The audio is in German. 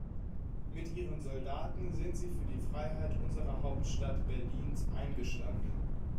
Mit ihren Soldaten sind sie für die Freiheit unserer Hauptstadt Berlins eingestanden.